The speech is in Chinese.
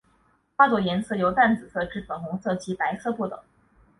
花朵颜色由淡紫色至粉红色及白色不等。